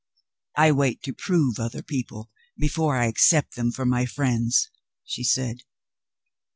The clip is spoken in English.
"I wait to prove other people before I accept them for my friends," she said.